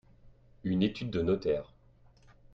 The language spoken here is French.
Une étude de notaire.